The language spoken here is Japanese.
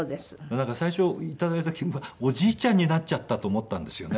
なんか最初頂いた時にはおじいちゃんになっちゃったと思ったんですよね